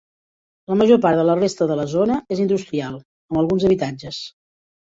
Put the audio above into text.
La major part de la resta de la zona és industrial, amb alguns habitatges.